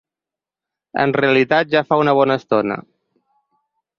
En realitat, ja fa una bona estona.